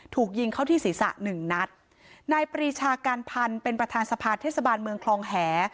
ถูกยิงเข้าที่ศีรษะหนึ่งนัดนายปรีชาการพันธุ์เป็นประธานสภาเทศบาลเมืองคลองแห